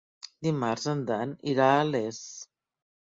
Dimarts en Dan irà a Les.